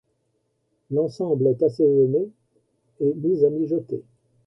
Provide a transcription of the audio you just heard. L'ensemble est assaisonné et mis à mijoter.